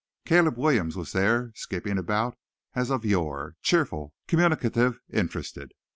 Caleb Williams was there, skipping about as of yore, cheerful, communicative, interested.